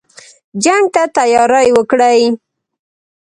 جنګ ته تیاری وکړی.